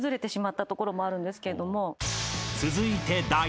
［続いて］